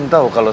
ya tapi aku mau